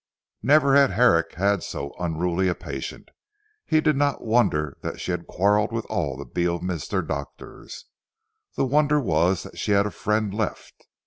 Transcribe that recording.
Never had Herrick had so unruly a patient. He did not wonder that she had quarrelled with all the Beorminster doctors. The wonder was that she had a friend left.